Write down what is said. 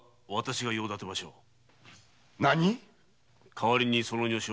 代わりにその女性